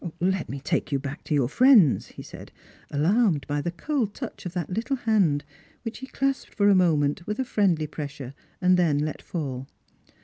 " Let me take you back to your friends," he said, alarmed by the cold touch of that little hand, which he clasped for a moment with a friendly pressure and then let fall.